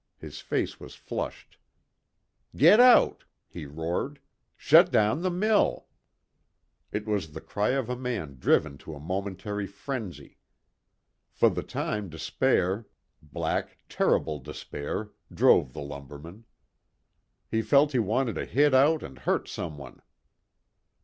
His face was flushed. "Get out!" he roared. "Shut down the mill!" It was the cry of a man driven to a momentary frenzy. For the time despair black, terrible despair drove the lumberman. He felt he wanted to hit out and hurt some one.